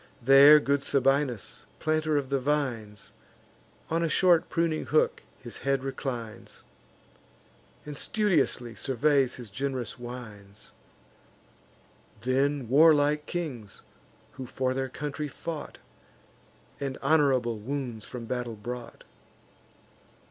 There good Sabinus, planter of the vines, On a short pruning hook his head reclines, And studiously surveys his gen'rous wines; Then warlike kings, who for their country fought, And honourable wounds from battle brought.